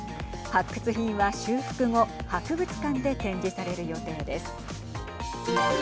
発掘品は修復後博物館で展示される予定です。